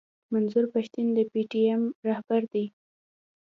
منظور پښتين د پي ټي ايم راهبر دی.